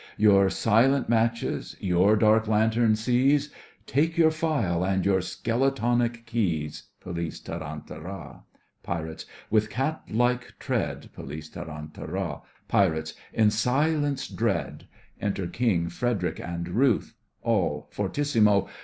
Your silent matches, your dark lantern seize, Take your file and your skeletonic keys. POLICE: Tarantara! PIRATES: With cat like tread POLICE: Tarantara! PIRATES: in silence dread, (Enter KING, FREDERIC and RUTH) ALL (fortissimo).